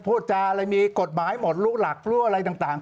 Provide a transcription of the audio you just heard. พูดจาอะไรมีกฎหมายหมดรู้หลักรู้อะไรต่าง